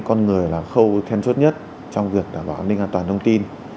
con người là khâu then chốt nhất trong việc đảm bảo an ninh an toàn thông tin